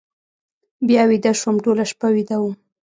بیا ویده شوم، ټوله شپه ویده وم.